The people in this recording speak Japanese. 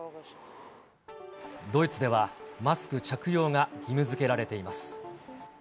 ドイツではマスク着用が義務づけられています。